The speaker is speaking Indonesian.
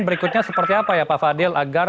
berikutnya seperti apa ya pak fadil agar